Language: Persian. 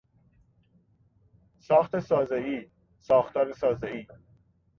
ساخت سازهای، ساختار سازهای